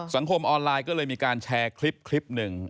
สังคมออนไลน์ก็เลยมีการแชร์คลิปหนึ่ง